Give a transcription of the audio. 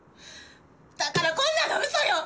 だからこんなの嘘よ！